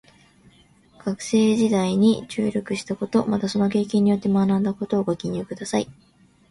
学生時代に注力したこと、またその経験によって学んだことをご記入ください。